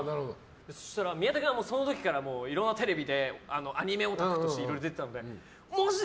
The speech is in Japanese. そしたら、宮田君はその時からいろんなテレビでアニメオタクとしていろいろ出てたのでマジで？